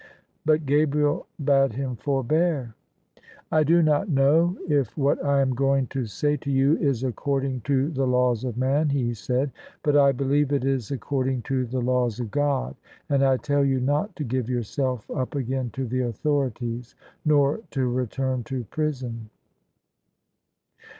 But Gabriel bade him forbear. '' I do not know if what I 343 ] THE SUBJECTION I tmjB^ing to say to you is according to the laws of man/' he said, " but I believe it is according to the laws of God : and I tell you not to give yourself up again to the authorities, nor to return to prison."